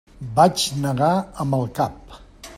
Vaig negar amb el cap.